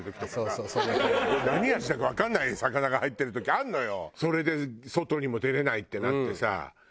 何味だかわからない魚が入ってる時あるのよ。